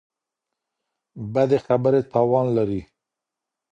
بدې خبرې تاوان لري.